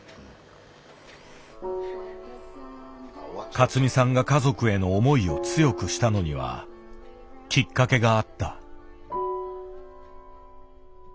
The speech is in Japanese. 勝美さんが家族への思いを強くしたのにはきっかけがあった。